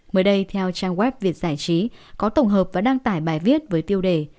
mới đây theo trang web việt giải trí có tổng hợp và đăng tải bài viết với tiêu đề